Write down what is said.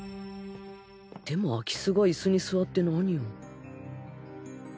でも空き巣がイスに座って何を？